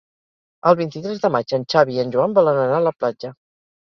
El vint-i-tres de maig en Xavi i en Joan volen anar a la platja.